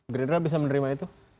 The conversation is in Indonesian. gerindra bisa menerima itu